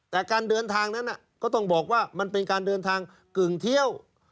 แต่การเดินทางนั้นก็ต้องบอกว่ามันเป็นการเดินทางกึ่งเที่ยว